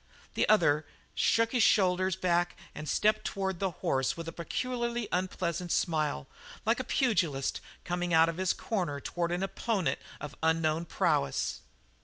The other shook his shoulders back and stepped toward the horse with a peculiarly unpleasant smile, like a pugilist coming out of his corner toward an opponent of unknown prowess.